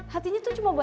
hatinya tuh cuma buat lo